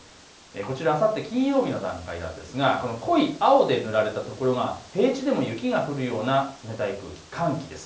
こちらあさって金曜日の段階ですが濃い青で塗られた所が平地でも雪が降るような冷たい空気、寒気です。